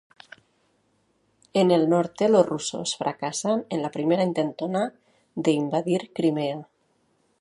En el norte los rusos fracasan en la primera intentona de invadir Crimea.